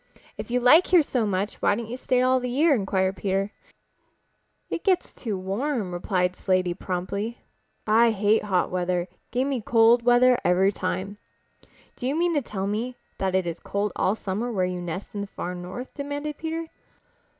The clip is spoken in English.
"If you like here so much why don't you stay all the year?" inquired Peter. "It gets too warm," replied Slaty promptly, "I hate hot weather. Give me cold weather every time." "Do you mean to tell me that it is cold all summer where you nest in the Far North?" demanded Peter.